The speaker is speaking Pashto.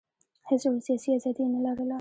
هېڅ ډول سیاسي ازادي یې نه لرله.